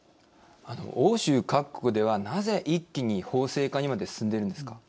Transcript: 欧州各国ではなぜ一気に法制化にまで進んでいるんですか。